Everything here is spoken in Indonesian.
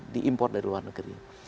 di impor dari luar negeri